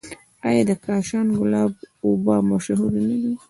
آیا د کاشان ګلاب اوبه مشهورې نه دي؟